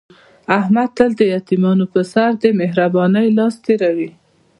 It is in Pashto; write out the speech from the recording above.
احمد تل د یتیمانو په سر د مهر بانۍ لاس تېروي.